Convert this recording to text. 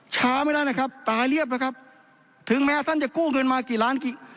ช้าไม่ได้นะครับตายเรียบแล้วครับถึงแม้ท่านจะกู้เงินมากี่ล้านกี่